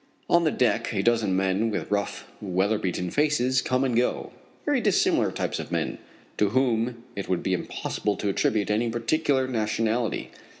On the deck a dozen men with rough, weather beaten faces come and go very dissimilar types of men, to whom it would be impossible to attribute any particular nationality.